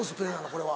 これは。